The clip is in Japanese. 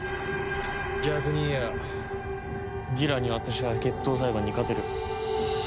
逆に言やギラに渡しゃあ決闘裁判に勝てる。